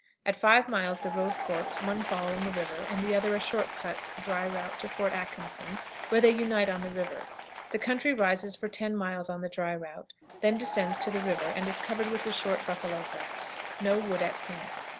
At five miles the road forks, one following the river, the other a "short cut" "dry route" to Fort Atkinson, where they unite on the river. The country rises for ten miles on the dry route, then descends to the river, and is covered with the short buffalo grass. No wood at camp.